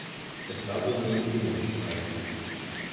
Es war wohl nur ein Klingelstreich.